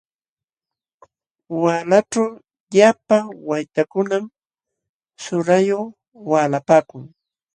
Waalayćhu llapa waytakunam shullayuq waalapaakun.